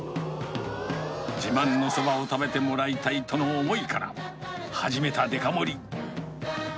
自慢のそばを食べてもらいたいとの思いから、始めたデカ盛り。